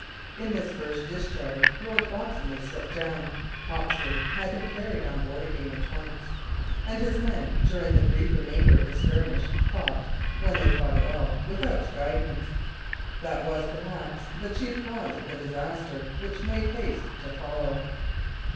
In this first discharge, Lord Foxham was struck down; Hawksley had him carried on board again at once; and his men, during the brief remainder of the skirmish, fought (when they fought at all) without guidance. That was perhaps the chief cause of the disaster which made haste to follow.